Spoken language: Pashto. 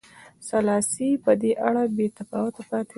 سلاسي په دې اړه بې تفاوته پاتې و.